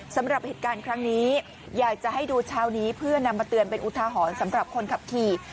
สำหรับเหตุการณ์ครั้งนี้อยากจะให้ดูเช้านี้เพื่อนำมาเตือนเป็นอุทาหรณ์สำหรับคนขับขี่